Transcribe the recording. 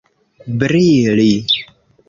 brili